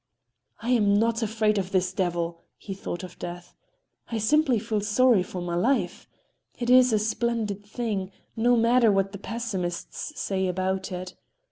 "I am not afraid of this devil!" he thought of Death. "I simply feel sorry for my life. It is a splendid thing, no matter what the pessimists say about it.